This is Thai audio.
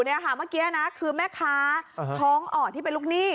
เมื่อกี้นะคือแม่ค้าท้องอ่อนที่เป็นลูกหนี้